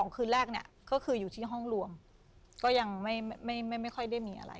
คืนแรกเนี่ยก็คืออยู่ที่ห้องรวมก็ยังไม่ค่อยได้มีอะไร